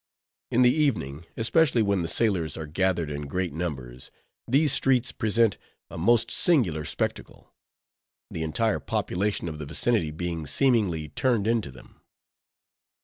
In the evening, especially when the sailors are gathered in great numbers, these streets present a most singular spectacle, the entire population of the vicinity being seemingly turned into them.